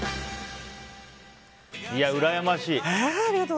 いや、うらやましい。